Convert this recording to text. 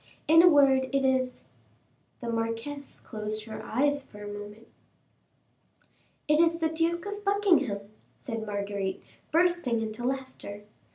In a word, it is " The marquise closed her eyes for a moment. "It is the Duke of Buckingham," said Marguerite, bursting into laughter.